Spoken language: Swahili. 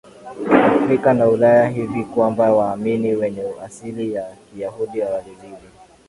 Afrika na Ulaya hivi kwamba waamini wenye asili ya Kiyahudi walizidi